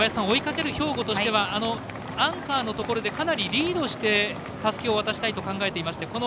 追いかける兵庫としてはアンカーのところでかなりリードしてたすきを渡したいと考えていまして